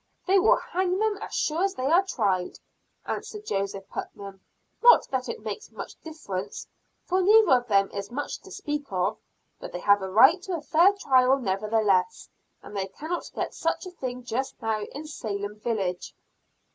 "They will hang them as sure as they are tried," answered Joseph Putnam. "Not that it makes much difference, for neither of them is much to speak of; but they have a right to a fair trial nevertheless, and they cannot get such a thing just now in Salem village.